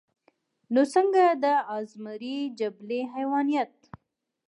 نو څنګه د ازمري جبلي حېوانيت